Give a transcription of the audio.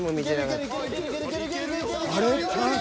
［あれ？